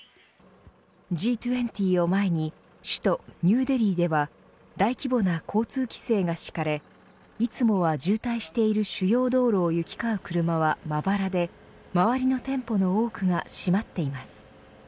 Ｇ２０を前に首都ニューデリーでは大規模な交通規制が敷かれいつも渋滞している主要道路を行き交う車はまばらで周りの店舗の多くが閉まっています。